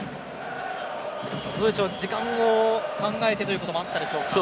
時間を考えてということもあったでしょうか。